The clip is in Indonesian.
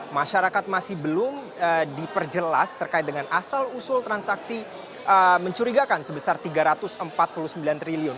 masyarakat masih belum diperjelas terkait dengan asal usul transaksi mencurigakan sebesar rp tiga ratus empat puluh sembilan triliun